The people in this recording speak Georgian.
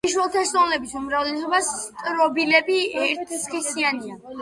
შიშველთესლოვნების უმრავლესობის სტრობილები ერთსქესიანია.